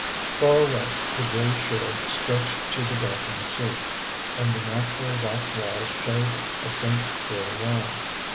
Far away the gray shore stretched to the darkened sea, and the natural rock wall showed a faint, gray line.